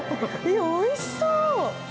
おいしそう！